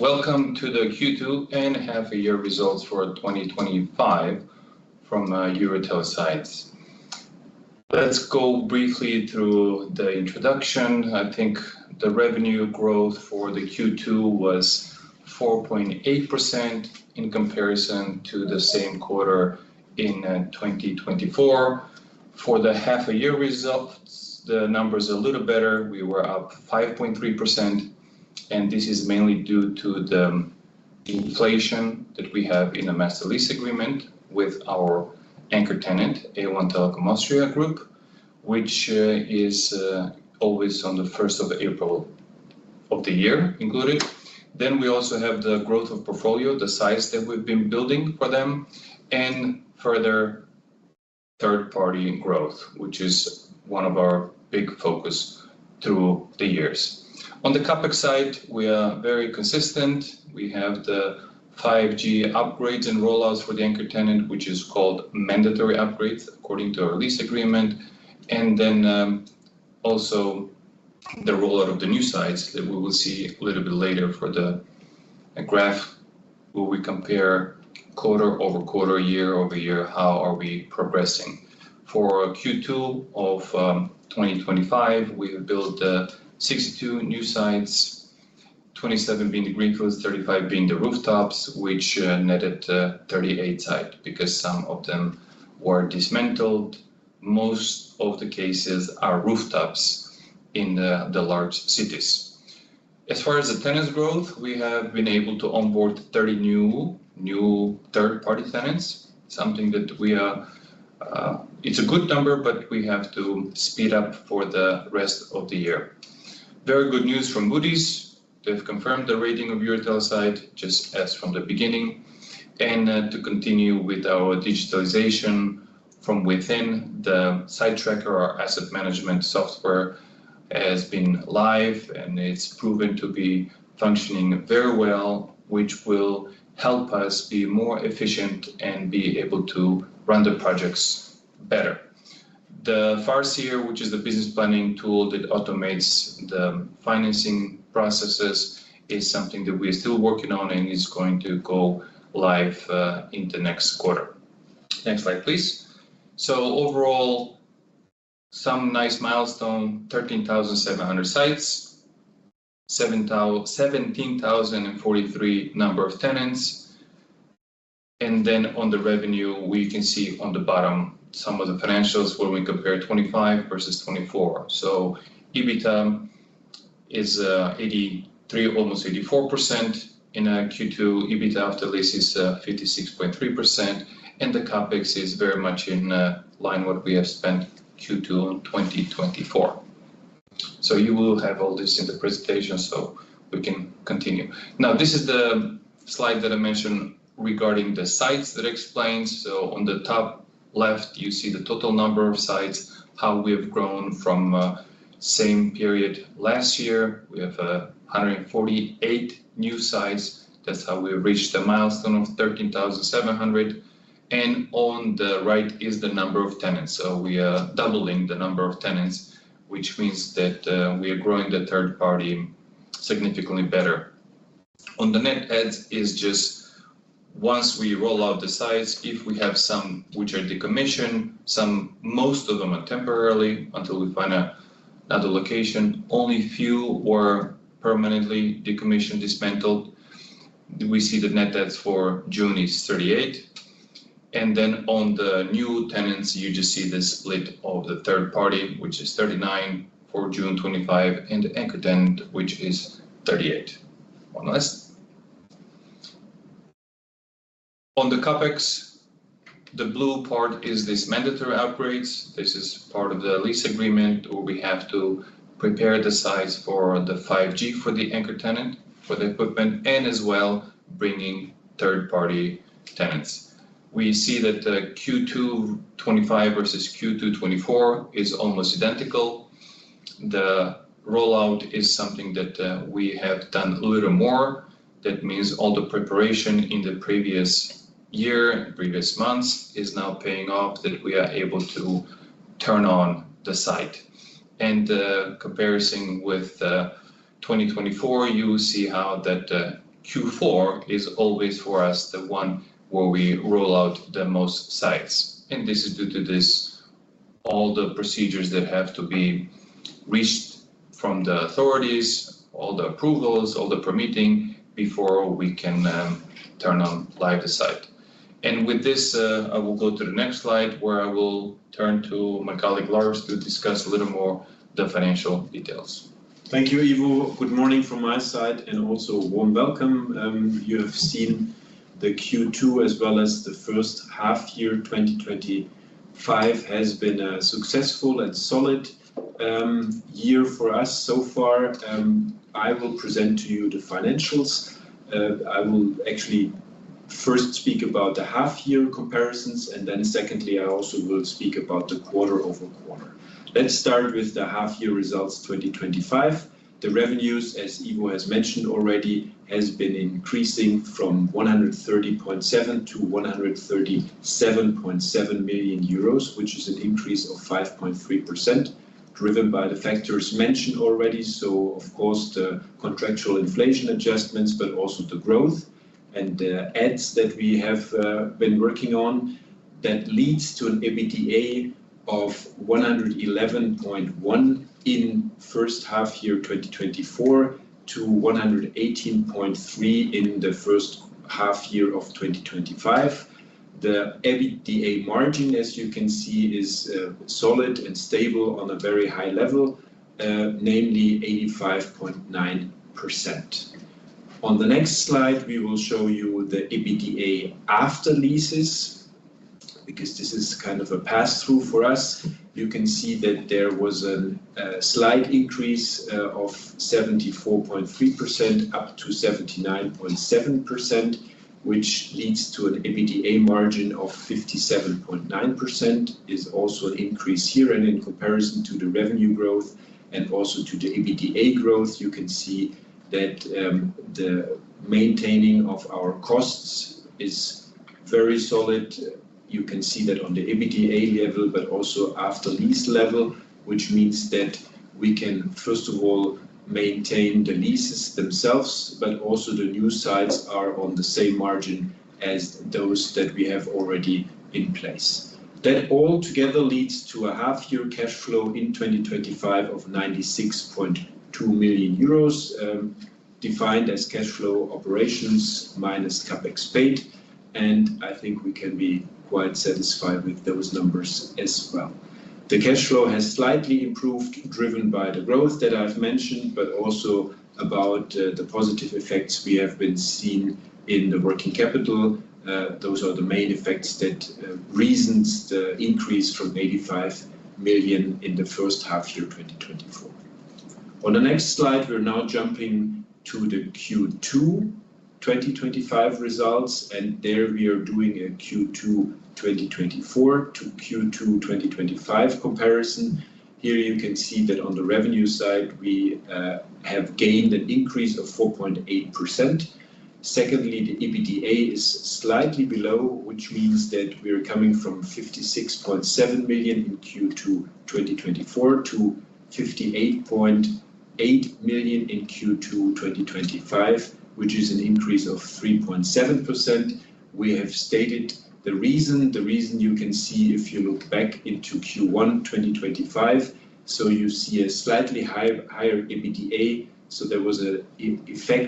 Welcome to the Q2 and half a year results for 2025 from EuroTeleSites. Let's go briefly through the introduction. I think the revenue growth for the Q2 was 4.8% in comparison to the same quarter in 2024. For the half a year results the numbers are a little better. We were up 5.3% and this is mainly due to the inflation that we have in a master lease agreement with our anchor tenant A1 Bulgaria, part of A1 Telekom Austria Group, which is always on the 1st of April of the year included. We also have the growth of portfolio, the sites that we've been building for them and further third party growth which is one of our big focus through the years. On the CapEx side we are very consistent. We have the 5G upgrades and rollouts for the anchor tenant which is called mandatory upgrades according to our lease agreement and also the rollout of the new sites that we will see a little bit later. For the graph where we compare quarter over quarter, year-over-year, how are we progressing for Q2 of 2025 we built 62 new sites, 27 being the greenfields, 35 being the rooftops which netted 38 sites because some of them were dismantled, most of the cases are rooftops in the large cities. As far as the tenants growth, we have been able to onboard 30 new third party tenants, something that we are. It's a good number but we have to speed up for the rest of the year. Very good news from Moody’s. They've confirmed the rating of EuroTeleSites just as from the beginning and to continue with our digitalization from within. The Sitetracker or asset management platform has been live and it's proven to be functioning very well which will help us be more efficient and be able to run the projects better. The Farseer, which is the business planning tool that automates the financing processes, is something that we are still working on and is going to go live in the next quarter. Next slide please. Overall some nice milestone. 13,700 sites, 17,043 number of tenants and then on the revenue we can see on the bottom some of the financials where we compare 2025 versus 2024. So EBITDA is 83, almost 84% in Q2. EBITDA after leases is 56.3% and the CapEx is very much in line. What we have spent Q2 2024. You will have all this in the presentation so we can continue. This is the slide that I mentioned regarding the sites that explains on the top left you see the total number of sites. How we have grown from same period last year. We have 148 new sites. That's how we reached a milestone of 13,700. On the right is the number of tenants. We are doubling the number of tenants, which means that we are growing the third party significantly better. On the net adds, it is just once we roll out the sites. If we have some which are decommissioned, most of them are temporarily until we find another location. Only a few were permanently decommissioned, dismantled. We see the net debts for June is 38. On the new tenants, you just see the split of the third party, which is 39 for June 2025, and anchor tenant, which is 38. One less on the capex. The blue part is this mandatory upgrades. This is part of the master lease agreement. We have to prepare the sites for 5G for the anchor tenant, for the equipment, and as well bringing third party tenants. We see that the Q2 2025 versus Q2 2024 is almost identical. The rollout is something that we have done a little more. That means all the preparation in the previous year, previous months, is now paying off, that we are able to turn on the site. In comparison with 2024, you see how that Q4 is always for us the one where we roll out the most sites. This is due to all the procedures that have to be reached from the authorities, all the approvals, all the permitting before we can turn on live a site. With this, I will go to the next slide where I will turn to my colleague Lars to discuss a little more the financial details. Thank you. Good morning from my side and also a warm welcome. You have seen the Q2 as well as the first half year 2025 has been a successful and solid year for us so far. I will present to you the financials. I will actually first speak about the half year comparisons and then secondly I also will speak about the quarter over quarter. Let's start with the half year results. 2025. The revenues, as Ivo has mentioned, already has been increasing from 130.7 million - 137.7 million euros, which is an increase of 5.3% driven by the factors mentioned already. Of course, the contractual inflation adjustments, but also the growth and the ADS that we have been working on that leads to an EBITDA of 111.1 million in first half year 2024 to 118.3 million in the first half year of 2025. The EBITDA margin, as you can see, is solid and stable on a very high level, namely 85.9%. On the next slide we will show you the EBITDA after leases because this is kind of a pass through for us. You can see that there was a slight increase of 74.3% - 79.7% which leads to an EBITDA margin of 57.9%. It is also an increase here. In comparison to the revenue growth and also to the EBITDA growth, you can see that the maintaining of our costs is very solid. You can see that on the EBITDA level, but also after lease level, which means that we can first of all maintain the leases themselves. Also, the new sites are on the same margin as those that we have already in place. That all together leads to a half year cash flow in 2025 of 96.2 million euros defined as cash flow operations minus capex paid. I think we can be quite satisfied with those numbers as well. The cash flow has slightly improved driven by the growth that I've mentioned. Also, about the positive effects we have been seeing in the working capital. Those are the main effects that reasons the increase from 85 million in the first half year 2024. On the next slide we're now jumping to the Q2 2025 results and there we are doing a Q2 2024 to Q2 2025 comparison. Here you can see that on the revenue side we have gained an increase of 4.8%. Secondly, the EBITDA is slightly below, which means that we are coming from 56.7 million in Q2 2024 to 58.8 million in Q2 2025 which is an increase of 3.7%. We have stated the reason, the reason you can see if you look back into Q1 2025. You see a slightly higher EBITDA. There was a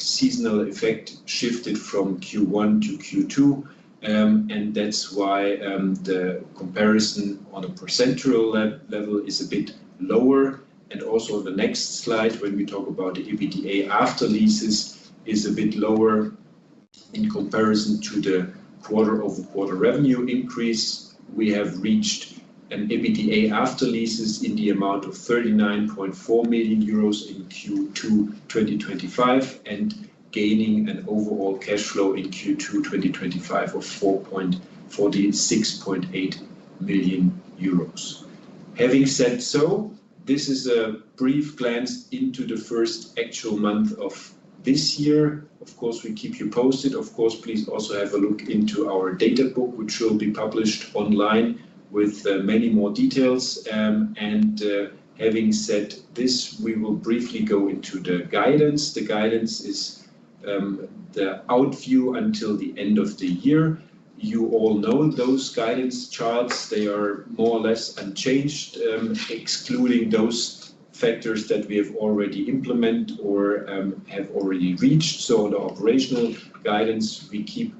seasonal effect shifted from Q1 to Q2 and that's why the comparison on a percentile level is a bit lower. Also, the next slide when we talk about the EBITDA after leases is a bit lower in comparison to the quarter-over-quarter revenue increase. We have reached EBITDA after leases in the amount of 39.4 million euros in Q2 2025 and gaining an overall cash flow in Q2 2025 of 46.8 million euros. Having said so, this is a brief glance into the first actual month of this year. Of course, we keep you posted. Of course, please also have a look into our data book, which will be published online with many more details. Having said this, we will briefly go into the guidance. The guidance is the outlook until the end of the year. You all know those guidance charts, they are more or less unchanged excluding those factors that we have already implemented or have already reached. The operational guidance, we keep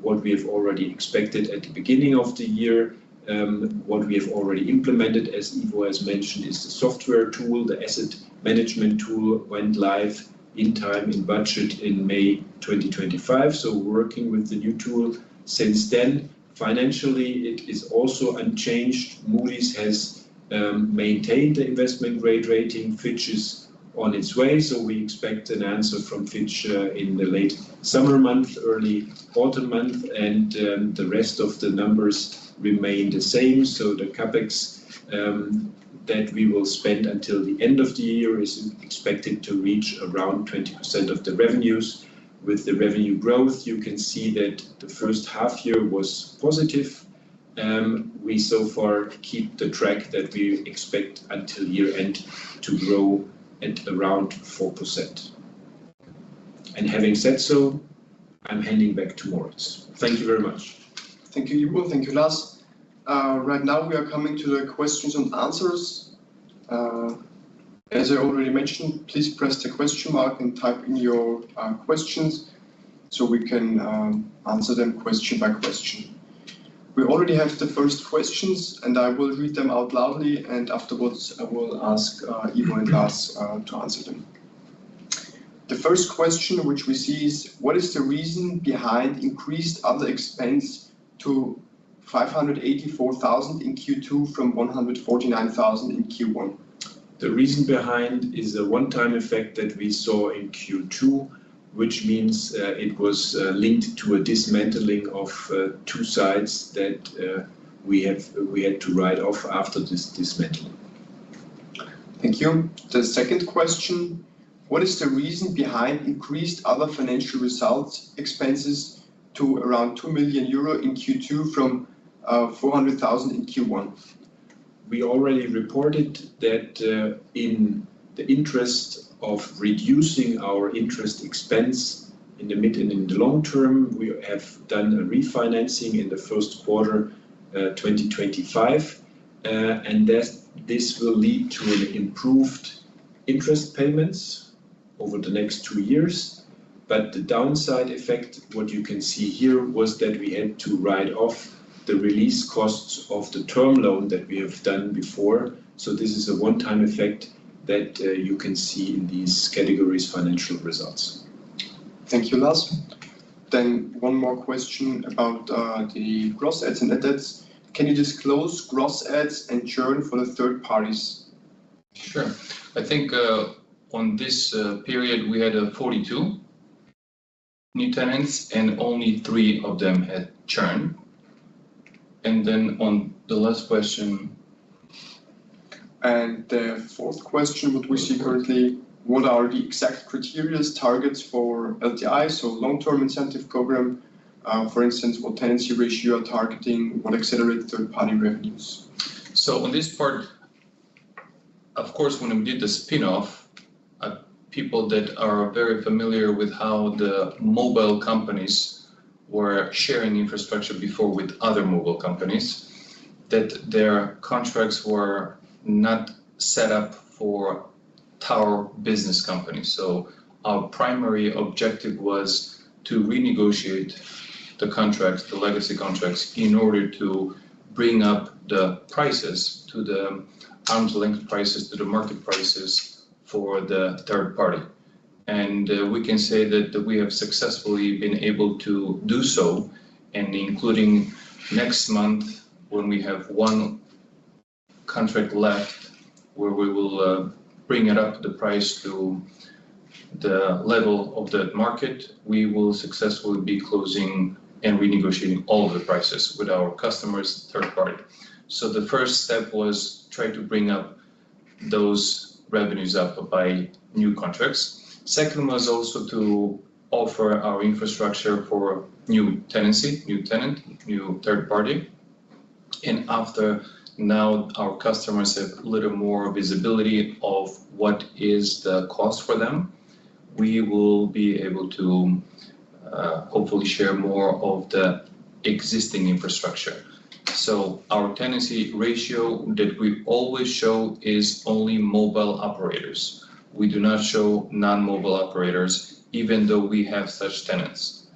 what we have already expected at the beginning of the year. What we have already implemented, as Ivo has mentioned, is the software tool. The asset management platform Sitetracker went live in time and in budget in May 2025. We have been working with the new tool since then. Financially, it is also unchanged. Moody’s has maintained the investment-grade rating. Fitch is on its way. We expect an answer from Fitch in the late summer months, early autumn months, and the rest of the numbers remain the same. The CapEx that we will spend until the end of the year is expected to reach around 20% of the revenues. With the revenue growth, you can see that the first half year was positive. We so far keep the track that we expect until year end to grow at around 4%. Having said so, I'm handing back to Moritz. Thank you very much. Thank you, Ivo. Thank you, Lars. Right now we are coming to the questions and answers as I already mentioned. Please press the question mark and type in your questions so we can answer them question by question. We already have the first questions and I will read them out loudly, and afterwards I will ask Ivo and Lars to answer them. The first question which we see is what is the reason behind increased other expense to 584,000 in Q2 from 149,000 in Q1. The reason behind is the one-time effect that we saw in Q2, which means it was linked to a dismantling of two sites that we had to write off after this dismantling. Thank you. The second question, what is the reason behind increased other financial results expenses to around 2 million euro in Q2 from 400,00 thousand in Q1. We already reported that in the interest of reducing our interest expense in the mid and in the long term we have done a refinancing in the first quarter 2025, and this will lead to improved interest payments over the next two years. The downside effect, what you can see here, was that we had to write off the release costs of the term loan that we have done before. This is a one-time effect that you can see in these categories, financial results. Thank you, Lars. One more question about the gross adds. Can you disclose gross adds and churn for the third parties? Sure. I think on this period we had 42 new tenants and only three of them had churn. On the last question. And. The fourth question that we see currently, what are the exact criteria targets for LTI? Long term incentive program, for instance, tenancy ratio targeting, what accelerate third party revenues. On this part of course when I did the spinoff, people that are very familiar with how the mobile companies were sharing infrastructure before with other mobile companies, their contracts were not set up for tower business company. Our primary objective was to renegotiate the contracts, the legacy contracts, in order to bring up the prices to the arm's length prices, to the market prices for the third party. We can say that we have successfully been able to do so. Including next month when we have one contract left where we will bring up the price to the level of that market, we will successfully be closing and renegotiating all of the prices with our customers, third party. The first step was to try to bring up those revenues up by new contracts. Second was also to offer our infrastructure for new tenancy, new tenant, new third party, and after now our customers have a little more visibility of what is the cost for them. We will be able to hopefully share more of the existing infrastructure. Our tenancy ratio that we always show is only mobile operators. We do not show non mobile operators even though we have such tenants.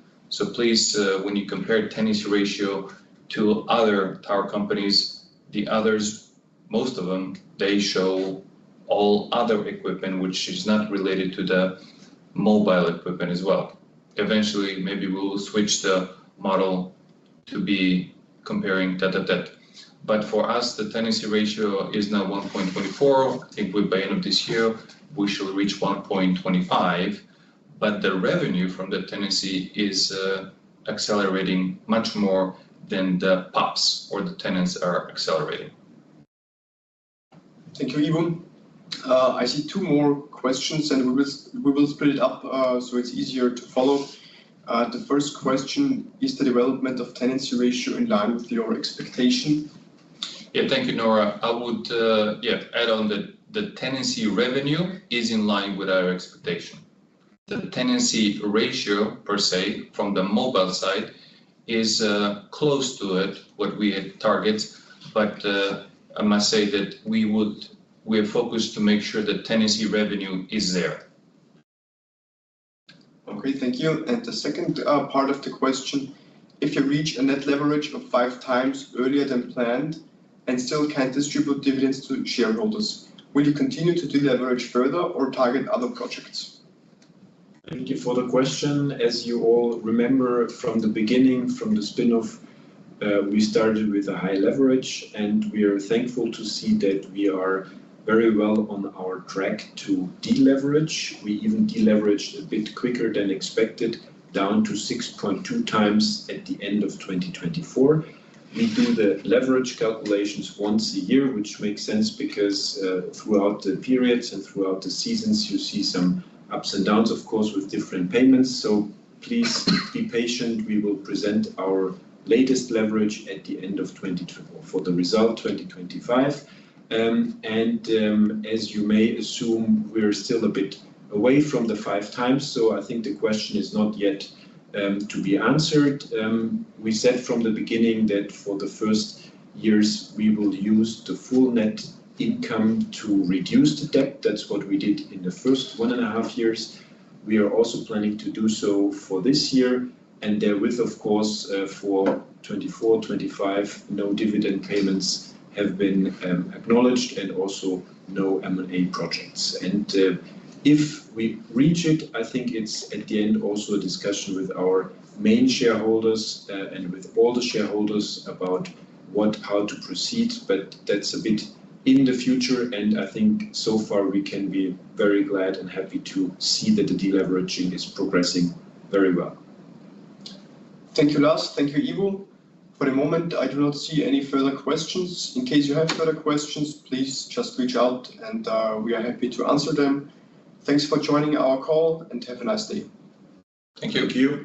Please, when you compare tenancy ratio to other tower companies, the others, most of them, they show all other equipment which is not related to the mobile equipment as well. Eventually maybe we will switch the model to be comparing Teta debt. For us the tenancy ratio is now 1.24 and by end of this year we shall reach 1.25. The revenue from the tenancy is accelerating much more than the PUFs or the tenants are accelerating. Thank you, Ivan. I see two more questions, and we will split it up so it's easier to follow. The first question is the development of tenancy ratio in line with your expectation? Yeah, thank you, Nora. I would add on that the tenancy revenue is in line with our expectation. The tenancy ratio per se from the mobile side is close to what we target. I must say that we're focused to make sure that tenancy revenue is there. Thank you. The second part of the question, if you reach a net leverage of 5x earlier than planned and still can't distribute dividends to shareholders, will you continue to deleverage further or target other projects? Thank you for the question. As you all remember from the beginning, from the spin-off, we started with a high leverage and we are thankful to see that we are very well on our track to deleverage. We even deleveraged a bit quicker than expected, down to 6.2x at the end of 2024. We do the leverage calculations once a year, which makes sense because throughout the periods and throughout the seasons you see some ups and downs, of course, with different payments. Please be patient. We will present our latest leverage at the end of 2024 for the result 2025. As you may assume, we're still a bit away from the five times. I think the question is not yet to be answered. We said from the beginning that for the first years we will use the full net income to reduce the debt. That's what we did in the first one and a half years. We are also planning to do so for this year and therewith, of course, for 2024, 2025, no dividend payments have been acknowledged and also no M&A projects. If we reach it, I think it's at the end also a discussion with our main shareholders and with all the shareholders about how to proceed. That's a bit in the future and I think so far we can be very glad and happy to see that the deleveraging is progressing very well. Thank you, Lars. Thank you, Ivo. For the moment, I do not see any further questions. In case you have further questions, please just reach out and we are happy to answer them. Thanks for joining our call and have a nice day. Thank you. Ivo.